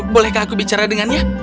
bolehkah aku bicara dengannya